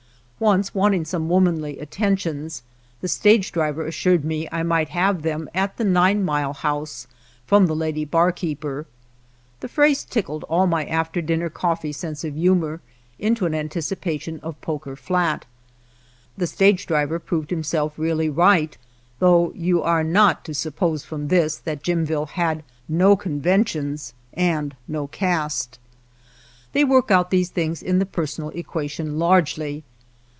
Once wanting some womanly attentions, the stage driver assured me I might have them at the Nine Mile House from the lady barkeeper. The phrase tickled all my after dinner coffee sense of humor into an anticipation of Poker Flat. The stage driver proved him self really, right, though you are not to sup pose from this that Jimville had no conven tions and no caste. They work out these things in the personal equation largely.